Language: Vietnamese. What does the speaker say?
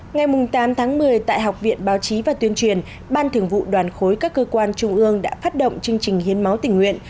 ngày tám tháng một mươi tại học viện báo chí và tuyên truyền ban thường vụ đoàn khối các cơ quan trung ương đã phát động chương trình hiến máu tình nguyện